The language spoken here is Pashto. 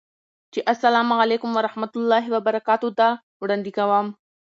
چې اسلام علیکم ورحمة الله وبرکاته ده، وړاندې کوم